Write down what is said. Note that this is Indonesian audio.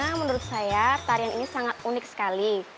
karena menurut saya tarian ini sangat unik sekali